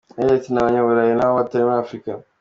Yagize ati “Abanyaburayi ntaho batari muri Afurika.